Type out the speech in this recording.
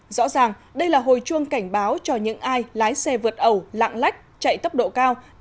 rõ ràng đây là hồi chuông cảnh báo cho những ai lái xe vượt ẩu lạng lách chạy tốc độ cao